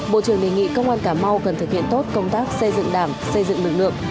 bộ trưởng đề nghị công an cà mau cần thực hiện tốt công tác xây dựng đảng xây dựng lực lượng